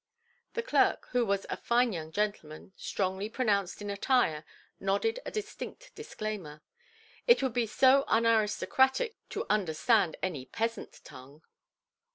The clerk, who was a fine young gentleman, strongly pronounced in attire, nodded a distinct disclaimer. It would be so unaristocratic to understand any peasant–tongue.